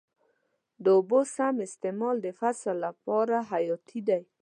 د اوبو سم استعمال د فصل لپاره حیاتي دی.